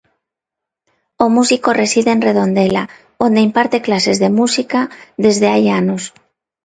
O músico reside en Redondela, onde imparte clases de música, desde hai anos.